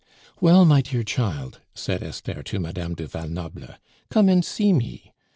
"Well, my dear child," said Esther to Madame du Val Noble, "come and see me.